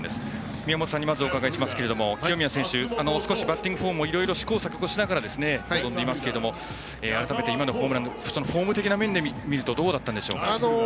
宮本さんにまずお伺いしますが清宮選手はバッティングフォームをいろいろ試行錯誤しながら臨んでいますけれども改めて今のホームランフォーム的な面で見るとどうだったんでしょうか？